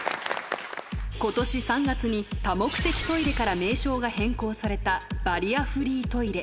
ことし３月に多目的トイレから名称が変更された、バリアフリートイレ。